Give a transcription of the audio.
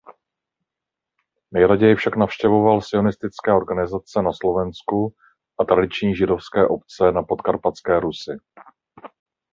Nejraději však navštěvoval sionistické organizace na Slovensku a tradiční židovské obce na Podkarpatské Rusi.